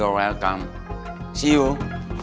apa menanggungasi ruth